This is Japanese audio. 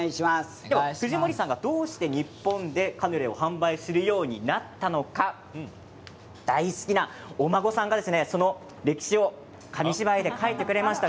藤森さんがどうして日本でカヌレを販売するようになったのか大好きなお孫さんがその歴史を紙芝居で描いてくれました。